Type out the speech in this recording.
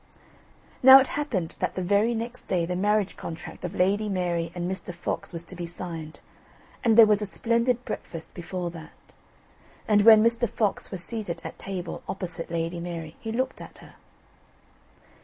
Now it happened that the very next day the marriage contract of Lady Mary and Mr. Fox was to be signed, and there was a splendid breakfast before that. And when Mr. Fox was seated at table opposite Lady Mary, he looked at her.